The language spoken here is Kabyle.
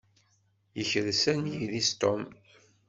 Yekres anyir-is Tom.